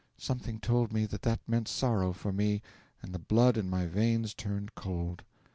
Something told me that that meant sorrow for me, and the blood in my veins turned cold.